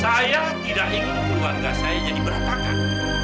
saya tidak ingin keluarga saya jadi berantakan